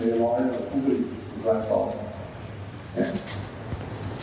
กว่าครูสุดอยู่ตรงกลางคอ